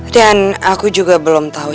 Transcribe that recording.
dan aku juga belum tahu